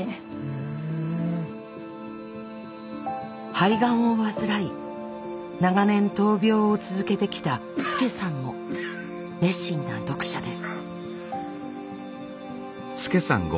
肺がんを患い長年闘病を続けてきたスケサンも熱心な読者です。